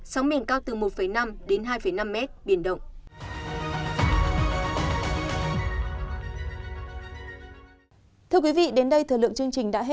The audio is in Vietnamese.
sóng biển cao từ hai đến bốn mét biển độc mạnh